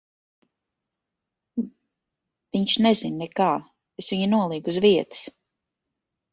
Viņš nezina nekā. Es viņu nolīgu uz vietas.